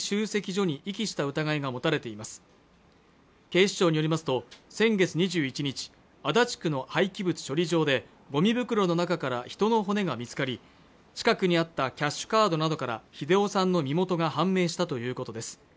警視庁によりますと先月２１日足立区の廃棄物処理場でゴミ袋の中から人の骨が見つかり近くにあったキャッシュカードなどから秀夫さんの身元が判明したということです